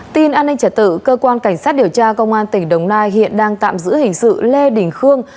tin an ninh trả tự cơ quan cảnh sát điều tra công an tỉnh đồng nai hiện đang tạm giữ hình sự lê đình khương